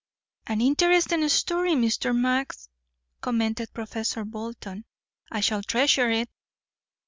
"An interesting story, Mr. Max," commented Professor Bolton. "I shall treasure it."